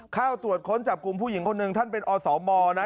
เข้าตรวจค้นจับกลุ่มผู้หญิงคนหนึ่งท่านเป็นอสมนะ